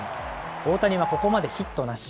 大谷はここまでヒットなし。